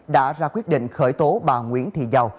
đã ra quyết định khởi tố bà nguyễn thị giàu